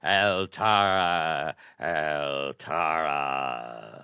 Altara! Altara!"